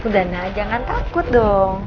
bunda na jangan takut dong